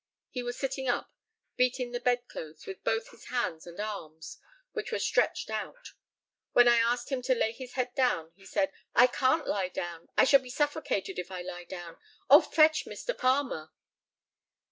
He was sitting up, beating the bedclothes with both his hands and arms, which were stretched out. When I asked him to lay his head down, he said, "I can't lie down; I shall be suffocated if I lie down. Oh, fetch Mr. Palmer!"